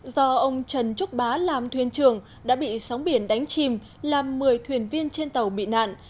do ông trần trúc bá làm thuyền trường đã bị sóng biển đánh chìm làm một mươi thuyền viên trên tàu bị nạn